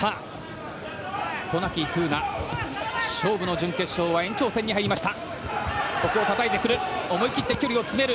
渡名喜風南、勝負の準決勝は延長戦に入りました。